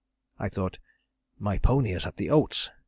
I thought 'my pony is at the oats!'